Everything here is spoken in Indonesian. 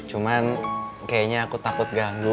cuman kayaknya aku takut ganggu